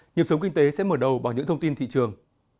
nhịp sống kinh tế sẽ mở đầu bằng những thông tin thị trường